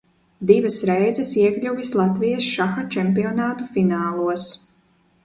Divas reizes iekļuvis Latvijas šaha čempionātu finālos.